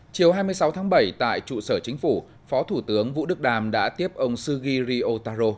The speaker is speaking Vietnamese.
chiều hai mươi sáu tháng bảy tại trụ sở chính phủ phó thủ tướng vũ đức đàm đã tiếp ông sugiri otaro